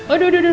aduh aduh aduh